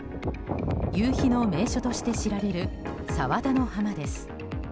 夕日の名所として知られる佐和田の浜です。